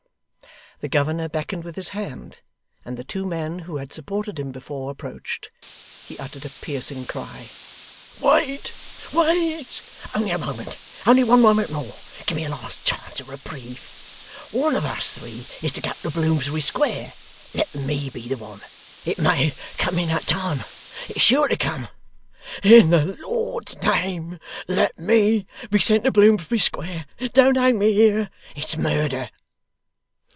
The governor beckoned with his hand, and the two men, who had supported him before, approached. He uttered a piercing cry: 'Wait! Wait. Only a moment only one moment more! Give me a last chance of reprieve. One of us three is to go to Bloomsbury Square. Let me be the one. It may come in that time; it's sure to come. In the Lord's name let me be sent to Bloomsbury Square. Don't hang me here. It's murder.